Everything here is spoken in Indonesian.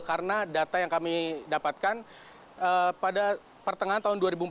karena data yang kami dapatkan pada pertengahan tahun dua ribu empat belas